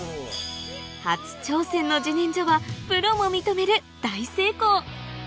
初挑戦の自然薯はプロも認める大成功！